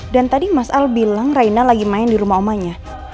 dan tadi mas al bilang raina lagi main di rumah omanya